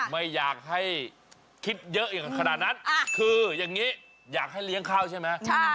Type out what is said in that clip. ไม่อยากให้คิดเยอะอย่างขนาดนั้นคืออย่างนี้อยากให้เลี้ยงข้าวใช่ไหม